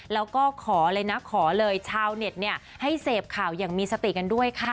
แล้วก็ขอเลยนะขอเลยชาวเน็ตเนี่ยให้เสพข่าวอย่างมีสติกันด้วยค่ะ